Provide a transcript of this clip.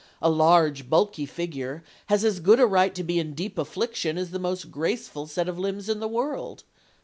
A large, bulky figure has as good a right to be in deep affliction as the most graceful set of limbs in the world.